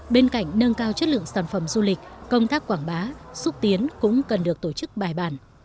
bên cạnh nâng cao chất lượng sản phẩm du lịch công tác quảng bá xúc tiến cũng cần được tổ chức bài bản